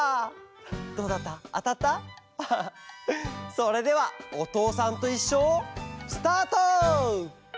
それでは「おとうさんといっしょ」スタート！